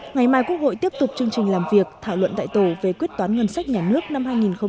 ngày mai quốc hội tiếp tục chương trình làm việc thảo luận tại tổ về quyết toán ngân sách nhà nước năm hai nghìn một mươi tám